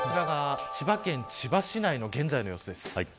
こちらが千葉県千葉市の現在の様子です。